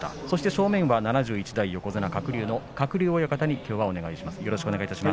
正面は７１代横綱鶴竜の鶴竜親方にお願いします。